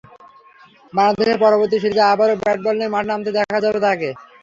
বাংলাদেশের পরবর্তী সিরিজে আবারও ব্যাট-বল নিয়ে মাঠে নামতে দেখা যাবে তাঁকে।